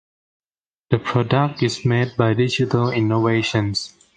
The product is made by Digital Innovations.